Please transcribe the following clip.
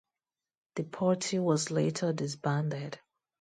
The party was later disbanded.